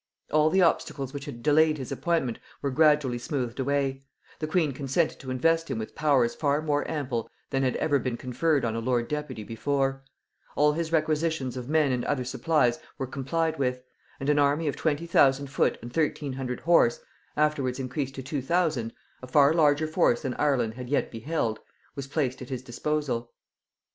All the obstacles which had delayed his appointment were gradually smoothed away; the queen consented to invest him with powers far more ample than had ever been conferred on a lord deputy before; all his requisitions of men and other supplies were complied with; and an army of 20,000 foot and 1,300 horse, afterwards increased to 2,000, a far larger force than Ireland had yet beheld, was placed at his disposal.